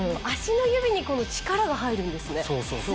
足の指に力が入るんですね。